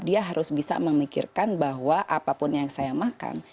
dia harus bisa memikirkan bahwa apapun yang saya makan